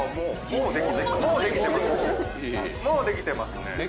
もう出来てますね。